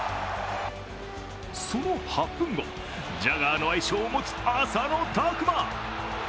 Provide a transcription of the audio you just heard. その８分後、ジャガーの愛称を持つ浅野拓磨。